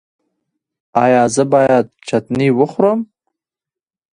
ایا زه باید چتني وخورم؟